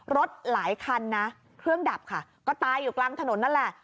หลายคันนะเครื่องดับค่ะก็ตายอยู่กลางถนนนั่นแหละ